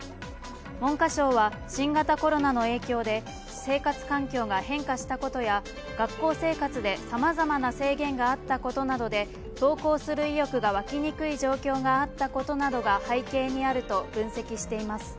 文科省は新型コロナの影響で生活環境が変化したことや学校生活でさまざまな制限があったことで登校する意欲が湧きにくい状況にあったことなどが背景にあると分析しています